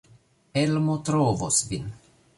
Elmo trovos vin.